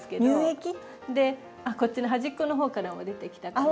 こっちの端っこの方からも出てきたかな。